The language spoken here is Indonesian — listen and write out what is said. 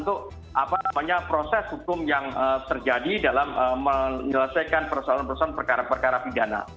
untuk proses hukum yang terjadi dalam menyelesaikan persoalan persoalan perkara perkara pidana